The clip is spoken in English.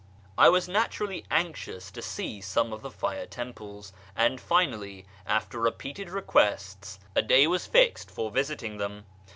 I was naturally anxious to see some of the fire temples, and finally, after repeated requests, a day was fixed for visiting them.